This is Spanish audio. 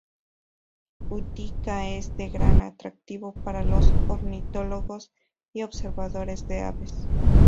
Utica es de gran atractivo para los ornitólogos y observadores de aves.